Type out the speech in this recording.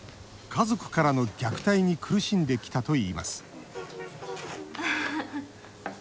家族からの虐待に苦しんできたといいます。